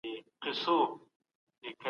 ټکنالوژي نوې ده.